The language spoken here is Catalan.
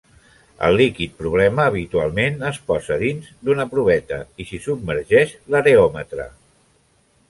El líquid problema habitualment es posa dins d'una proveta i s'hi submergeix l'areòmetre.